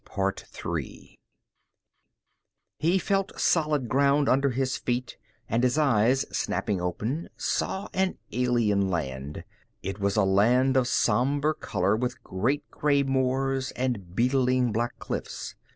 He felt solid ground under his feet, and his eyes, snapping open, saw an alien land. It was a land of somber color, with great gray moors, and beetling black cliffs.